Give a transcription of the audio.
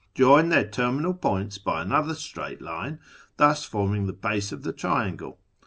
Join their terminal points by another straight line, thus forming the base of the triangle.